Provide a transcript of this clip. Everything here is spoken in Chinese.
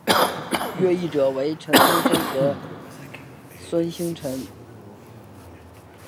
越狱者为陈聪聪和孙星辰。